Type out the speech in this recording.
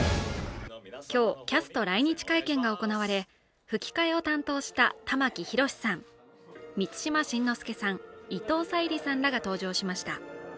今日、キャスト来日会見が行われ吹き替えを担当した玉木宏さん、満島真之介さん伊藤沙莉さんらが登場しました。